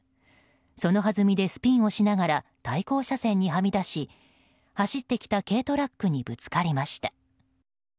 そのはずみでスピンをしながら対向車線にはみ出し走ってきた軽トラックにぶつかりました。